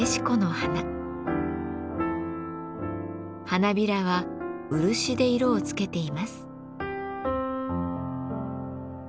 花びらは漆で色をつけています。